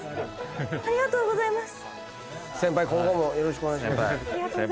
先輩ありがとうございます。